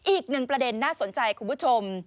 อีกหนึ่งประเด็นน่าสนใจคุณผู้ชม